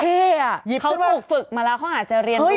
ที่เขาถูกฝึกมาแล้วเขาอาจจะเรียนดี